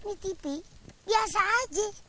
nih tipi biasa aja